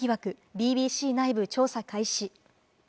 ＢＢＣ内部調査開始。